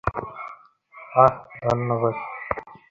ছিদাম তখন ভাবিতেছিল, ভীষণ সত্যের হাত হইতে কী করিয়া রক্ষা পাইব।